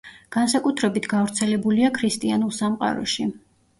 განსაკუთრებით გავრცელებულია ქრისტიანულ სამყაროში.